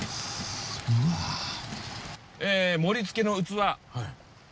え盛りつけの器。